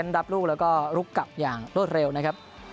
รับลูกแล้วก็ลุกกลับอย่างรวดเร็วนะครับ